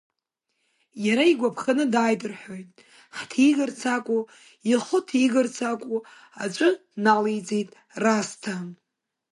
Иара игәаԥханы дааит рҳәоит, ҳҭигарц акәу, ихы ҭигарц акәу, аҵәы налеиҵеит Расҭа.